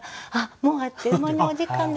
もうあっという間にお時間です。